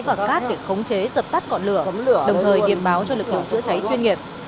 và cát để khống chế dập tắt ngọn lửa đồng thời điểm báo cho lực lượng chữa cháy chuyên nghiệp